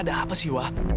ada apa sih wah